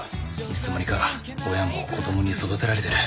いつの間にか親も子どもに育てられてる。